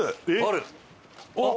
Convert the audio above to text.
あっ！